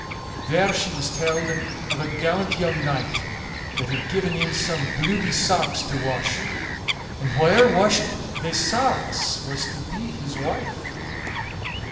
There she was telled of a gallant young knight that had given in some bluidy sarks to wash, and whaever washed thae sarks was to be his wife.